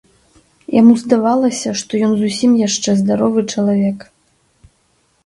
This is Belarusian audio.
Яму здавалася, што ён зусім яшчэ здаровы чалавек.